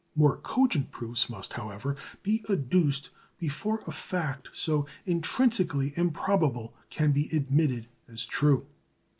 More cogent proofs must, however, be adduced before a fact so intrinsically improbable can be admitted as true.